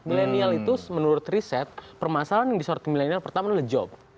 milenial itu menurut riset permasalahan yang disoroti milenial pertama adalah job